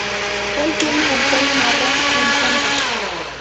Él tiene el pelo marrón en punta.